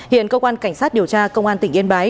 hiện công an cảnh sát điều tra công an tỉnh yên bái